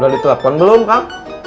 udah di telepon belum kang